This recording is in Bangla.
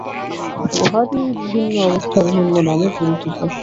উহারই বিভিন্ন অবস্থা বিভিন্ন নামে পরিচিত।